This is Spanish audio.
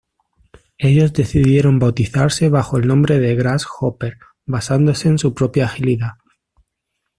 Ellos decidieron bautizarse bajo el nombre de Grasshopper, basándose en su propia agilidad.